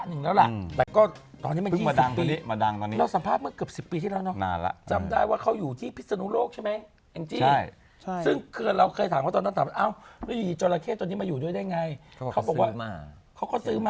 นี่ไงนางโดดนะเมื่อสัปดาห์ที่ผ่านมานี่นะคะ